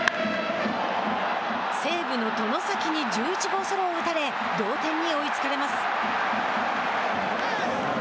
西武の外崎に１１号ソロを打たれ同点に追いつかれます。